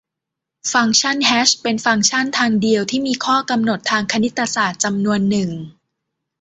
ฟังก์ชันแฮชเป็นฟังก์ชันทางเดียวที่มีข้อกำหนดทางคณิตศาสตร์จำนวนหนึ่ง